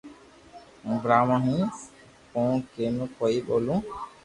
ھون براھمڻ ھون ھون ڪوڻ ڪيدو ڪوئي ٻولو